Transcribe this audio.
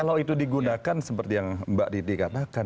kalau itu digunakan seperti yang mbak diti katakan